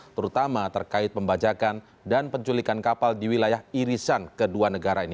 terutama terkait pembajakan dan penculikan kapal di wilayah irisan kedua negara ini